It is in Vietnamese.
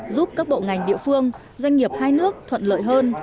giúp các bộ ngành địa phương doanh nghiệp hai nước thuận lợi hơn